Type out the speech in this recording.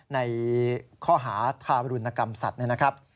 ในข้อหาทารุณกรรมสัตว์นะครับ